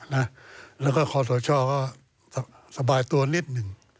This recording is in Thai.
แล้วก็คอสชก็สบายตัวนิดหนึ่ง